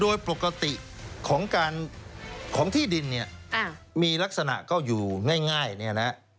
ด้วยปกติของการของที่ดินนี้มีลักษณะก็อยู่ง่ายเรียกั้นนะ